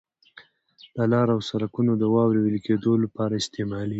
د لارو او سرکونو د واورې ویلي کولو لپاره استعمالیږي.